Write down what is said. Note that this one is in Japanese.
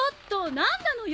何なのよ？